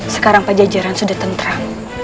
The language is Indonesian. sekarang pajajaran sudah tentram